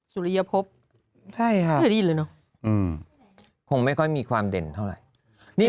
สุริยภพไม่เคยได้ยินเลยเนอะคงไม่ค่อยมีความเด่นเท่าไหร่